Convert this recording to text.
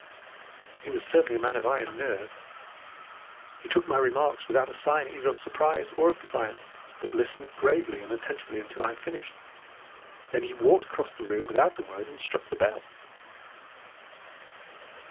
"He was certainly a man of iron nerve. He took my remarks without a sign either of surprise or of defiance, but listened gravely and attentively until I had finished. Then he walked across the room without a word and struck the bell.